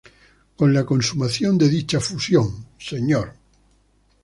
Con la consumación de dicha fusión, Mr.